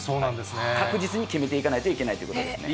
確実に決めていかないといけないということですね。